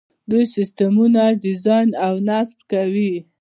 دوی سیسټمونه ډیزاین او نصب کوي.